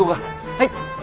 はい。